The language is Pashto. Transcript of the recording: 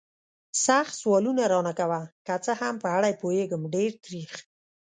سخت سوالونه را نه کوه. که څه هم په اړه یې پوهېږم، ډېر تریخ.